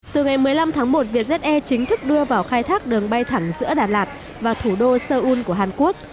từ ngày một mươi năm tháng một vietjet air chính thức đưa vào khai thác đường bay thẳng giữa đà lạt và thủ đô seoul của hàn quốc